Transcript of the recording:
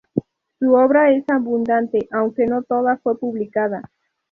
Su obra es abundante, aunque no toda fue publicada.